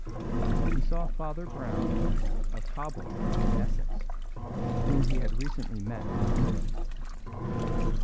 He saw Father Brown, of Cobhole, in Essex, whom he had recently met in England.